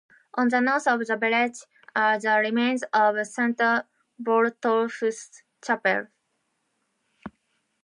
On the north of the village are the remains of Saint Botolph's Chapel.